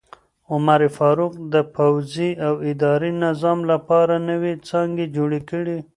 عمر فاروق د پوځي او اداري نظام لپاره نوې څانګې جوړې کړې.